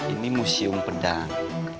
ini museum pedang